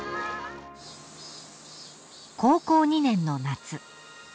［高校２年の夏］